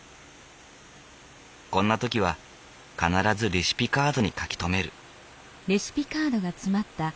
こんな時は必ずレシピカードに書き留める。